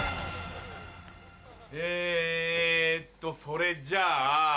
えっとそれじゃあ。